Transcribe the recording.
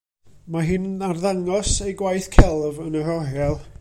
Mae hi'n arddangos ei gwaith celf yn yr oriel.